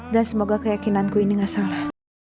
dan semoga keyakinanku ini gak salah